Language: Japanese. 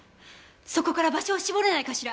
そこから場所を絞れないかしら？